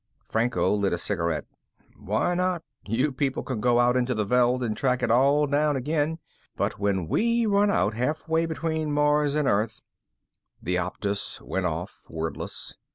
Franco lit a cigarette. "Why not? You people can go out into the veldt and track it all down again. But when we run out halfway between Mars and Earth " The Optus went off, wordless.